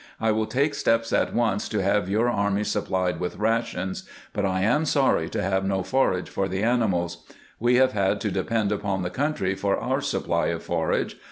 I will take steps at once to have your army supplied with rations, but I am sorry we have no forage for the animals. We have had to depend upon the country for our supply of forage.